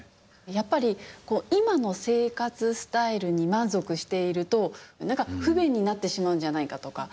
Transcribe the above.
やっぱり今の生活スタイルに満足していると何か不便になってしまうんじゃないかとか。